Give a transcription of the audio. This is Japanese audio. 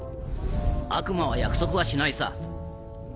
悪魔は約束はしないさ。